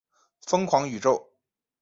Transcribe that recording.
疯狂宇宙